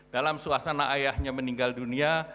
dalam suasana ayahnya meninggal dunia